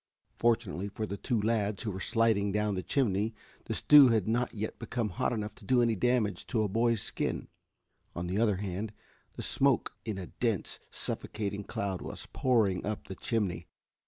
Fortunately for the two lads who were sliding down the chimney the stew had not yet become hot enough to do any damage to a boy's skin. On the other hand, the smoke in a dense, suffocating cloud was pouring up the chimney.